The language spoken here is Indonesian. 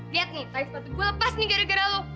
lihat nih tai sepatu gue lepas nih gara gara lo